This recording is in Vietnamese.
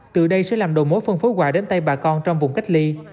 từ đây sẽ làm đầu mối phân phối quà đến tay bà con trong vùng cách ly